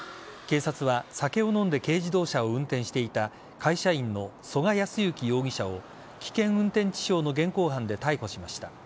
警察は酒を飲んで軽自動車を運転していた会社員の曽我康之容疑者を危険運転致傷の現行犯で逮捕しました。